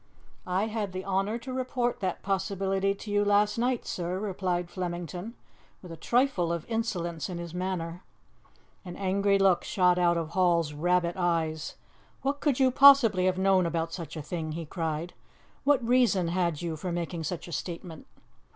"I had the honour to report that possibility to you last night, sir," replied Flemington, with a trifle of insolence in his manner. An angry look shot out of Hall's rabbit eyes. "What could you possibly have known about such a thing?" he cried. "What reason had you for making such a statement?"